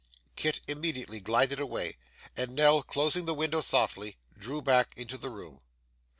Kit immediately glided away, and Nell, closing the window softly, drew back into the room.